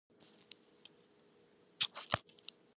If you want to sing you have to be performing.